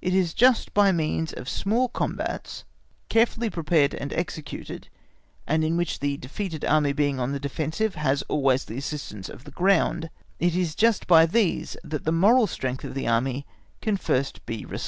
It is just by means of small combats carefully prepared and executed, and in which the defeated army being on the defensive, has always the assistance of the ground—it is just by these that the moral strength of the Army can first be resuscitated.